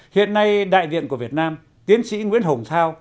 hiện nay đại diện của việt nam tiến sĩ nguyễn hồng thao